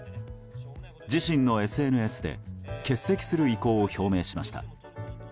自身のＳＮＳで欠席する意向を表明しました。